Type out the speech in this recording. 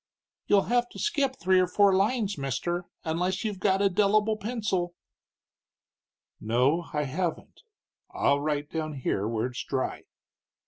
"You'll have to skip three or four lines, mister, unless you've got a 'delible pencil." "No, I haven't. I'll write down here where it's dry."